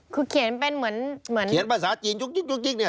คือเขียนเป็นเหมือนเขียนภาษาจีนยุกยิกเนี่ย